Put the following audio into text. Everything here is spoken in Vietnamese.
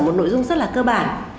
một nội dung rất là cơ bản